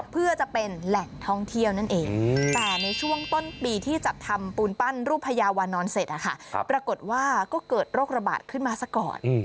เพื่อจะเป็นแหล่งท่องเที่ยวนั่นเองแต่ในช่วงต้นปีที่จัดทำปูนปั้นรูปพญาวานอนเสร็จปรากฏว่าก็เกิดโรคระบาดขึ้นมาซะก่อน